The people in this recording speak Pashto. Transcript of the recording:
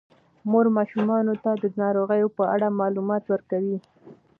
مور ماشومانو ته د ناروغیو په اړه معلومات ورکوي.